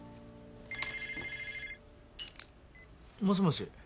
もしもし。